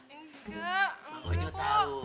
engga ma ojo tau